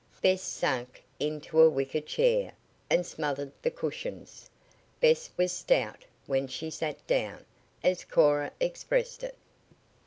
Bess sank into a wicker chair and smothered the cushions. Bess was stout "when she sat down," as Cora expressed it.